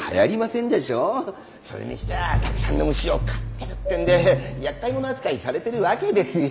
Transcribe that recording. それにしちゃたくさんの虫を飼ってるってんでやっかい者扱いされてるわけですよ。